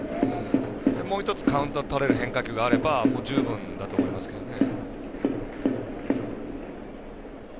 もう１つカウントが取れる変化球があれば十分だと思いますけどね。